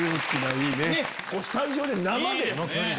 スタジオで生で。